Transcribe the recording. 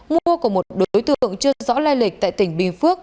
mua của một đối tượng chưa rõ lai lịch tại tỉnh bình phước